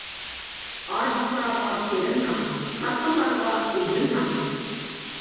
ئاجىزلارغا كېرىلمەڭ، كاتتىلارغا ئېگىلمەڭ.